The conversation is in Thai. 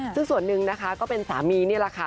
ซึ่งส่วนหนึ่งนะคะก็เป็นสามีนี่แหละค่ะ